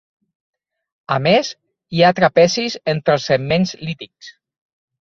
A més, hi ha trapezis entre els segments lítics.